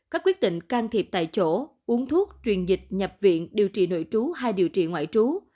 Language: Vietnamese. các quyết định can thiệp tại chỗ uống thuốc truyền dịch nhập viện điều trị nội trú hay điều trị ngoại trú